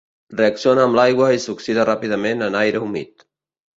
Reacciona amb l'aigua i s'oxida ràpidament en aire humit.